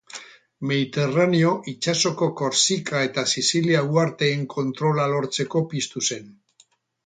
Mediterraneo itsasoko Korsika eta Sizilia uharteen kontrola lortzeko piztu zen.